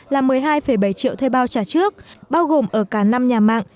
là một mươi hai bảy triệu thuê bao trả trước bao gồm ở cả năm nhà mạng